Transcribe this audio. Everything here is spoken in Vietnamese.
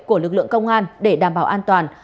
của lực lượng công an để đảm bảo an toàn